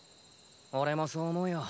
俺もそう思うよ。